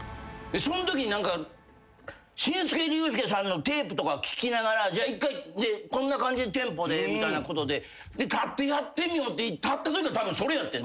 そんときに紳助・竜介さんのテープとか聞きながらじゃあ１回こんな感じのテンポでみたいなことで立ってやってみようって立ったときがたぶんそれやってん。